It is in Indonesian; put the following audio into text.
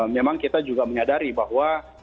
memang kita juga menyadari bahwa